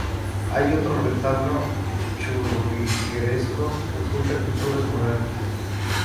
Hay otro retablo churrigueresco que oculta pinturas murales.